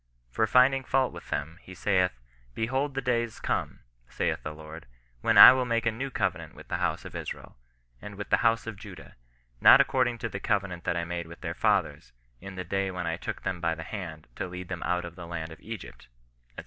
For finding fault with them, he saith, Behold the days come, saith the Lord, when I will make a new covenant with the house of Israel, and with the house of Judah ; not according to the covenant that I made with their fathers, in the day when I took them by the hand, to lead them out of the land of Egypt, &c.